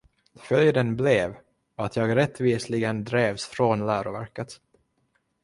Följden blev, att jag rättvisligen drevs från läroverket.